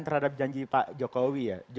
terhadap janji pak jokowi ya